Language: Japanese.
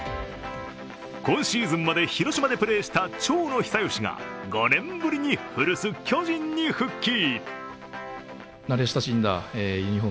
今シーズンまで広島でプレーした長野久義が５年ぶりに古巣、巨人に復帰。